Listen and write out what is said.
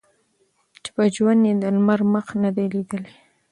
چي په ژوند یې د لمر مخ نه دی لیدلی